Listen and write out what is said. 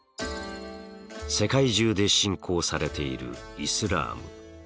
世界中で信仰されているイスラーム。